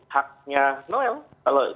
haknya noel kalau